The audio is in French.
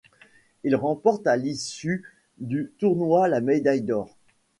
Il remporte à l'issue du tournoi la médaille d'or.